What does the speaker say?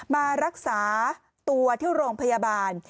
มารักษาตัวที่โรงพยาบาล